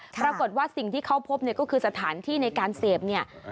ปรากฏว่าสิ่งที่เขาพบเนี่ยก็คือสถานที่ในการเสพเนี่ย